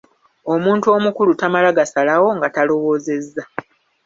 Omuntu omukulu tamala gasalawo nga talowoozezza.